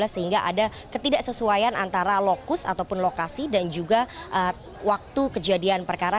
sehingga ada ketidaksesuaian antara lokus ataupun lokasi dan juga waktu kejadian perkara